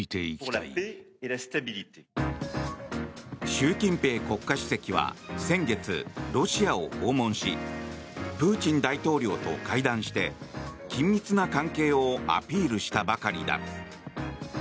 習近平国家主席は先月、ロシアを訪問しプーチン大統領と会談して緊密な関係をアピールしたばかりだ。